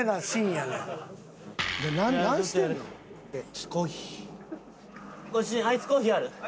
アイスコーヒーあります。